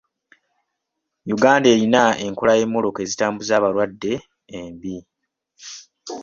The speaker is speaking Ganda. Uganda erina enkola y'emmotoka ezitambuza balwadde embi.